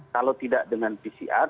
kalau tidak dengan pcr